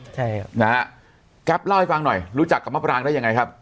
ใช่ครับนะฮะแก๊ปเล่าให้ฟังหน่อยรู้จักกับมะปรางได้ยังไงครับ